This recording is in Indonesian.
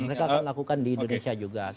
mereka akan lakukan di indonesia juga